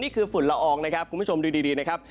ฝุ่นละอองนะครับคุณผู้ชมดูดีนะครับ